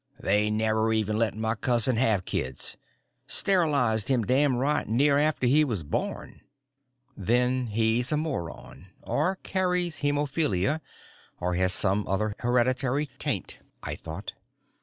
"They never even let my cousin have kids. Sterilized him damn near right after he was born." Then he's a moron, or carries hemophilia, or has some other hereditary taint, I thought.